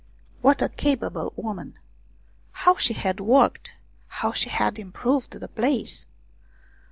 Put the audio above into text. What a capable woman ! How she had worked, how she had improved the place